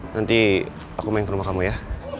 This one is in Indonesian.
nanti aku main ke rumah kamu ya